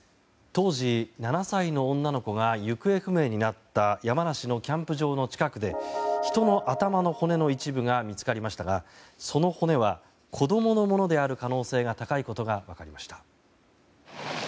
当時７歳の女の子が行方不明になった山梨のキャンプ場の近くで人の頭の骨の一部が見つかりましたが、その骨は子供のものである可能性が高いことが分かりました。